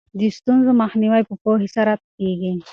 د ستونزو مخنیوی په پوهې سره کیږي.